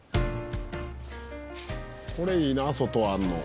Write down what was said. これいいな外あるの。